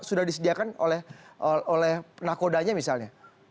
sudah disediakan oleh nakodanya misalnya